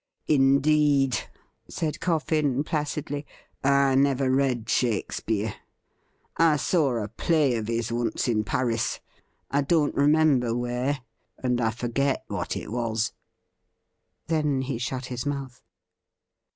' Indeed,' said Coffin placidly ;' I never read Shake speare. I saw a play of his once in Peiris — ^I don't re member where, and I forget what it was.' WHAT IS TO BE DONE NEXT? 297 Then he shut his mouth.